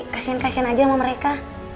kasian kasian aja sama mereka